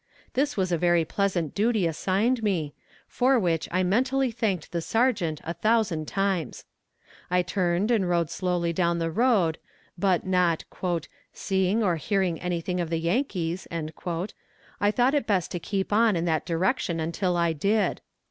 This was a very pleasant duty assigned me, for which I mentally thanked the sergeant a thousand times. I turned and rode slowly down the road, but not "seeing or hearing anything of the Yankees," I thought it best to keep on in that direction until I did.